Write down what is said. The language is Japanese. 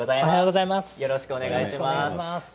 よろしくお願いします。